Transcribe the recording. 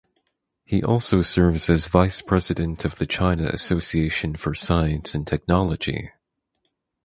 He also serves as Vice President of the China Association for Science and Technology.